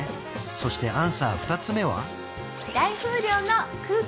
そしてアンサー２つ目は？